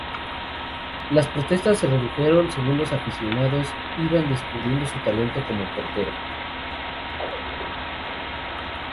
Las protestas se redujeron según los aficionados iban descubriendo su talento como portero.